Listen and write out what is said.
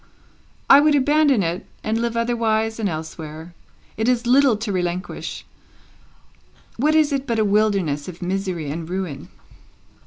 " I would abandon it, and live otherwise and elsewhere. It is little to relinquish. What is it but a wilderness of misery and ruin!"